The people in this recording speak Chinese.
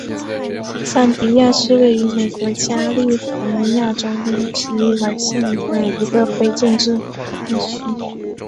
桑迪亚是位于美国加利福尼亚州因皮里尔县的一个非建制地区。